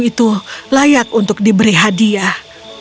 itu layak untuk diberi hadiah